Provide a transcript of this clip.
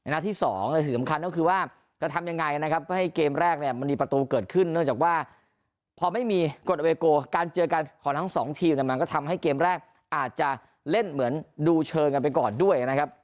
และที่สำคัญก็คือว่าจะทำยังไงก็ให้เกมแรกมีประตูเกิดขึ้นเนื่องจากว่าพอไม่มีกฎเอเวโกร์การเจอกันของทั้งสองทีมก็ทำให้เกมแรกอาจจะเล่นเหมือนดูเชิญกันไปก่อนด้วย